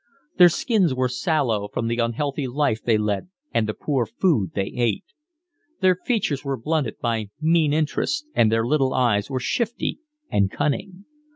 Their skins were sallow from the unhealthy life they led and the poor food they ate. Their features were blunted by mean interests, and their little eyes were shifty and cunning.